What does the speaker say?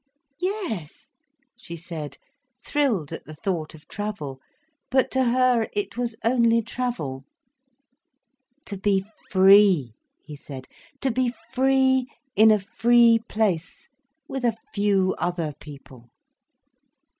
"Yes—" she said, thrilled at the thought of travel. But to her it was only travel. "To be free," he said. "To be free, in a free place, with a few other people!"